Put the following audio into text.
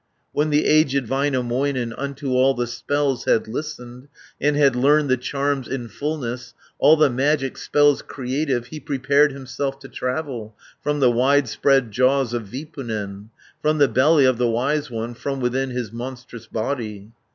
When the aged Väinämöinen Unto all the spells had listened, And had learned the charms in fulness, All the magic spells creative, He prepared himself to travel From the widespread jaws of Vipunen; From the belly of the wise one, From within his monstrous body.